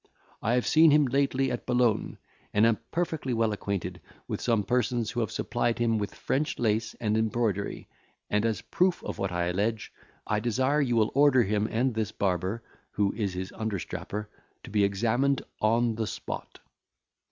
I have seen him lately at Boulogne, and am perfectly well acquainted with some persons who have supplied him with French lace and embroidery; and, as a proof of what I allege, I desire you will order him and this barber, who is his understrapper, to be examined on the spot."